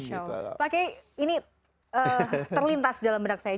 pak kay ini terlintas dalam berak saya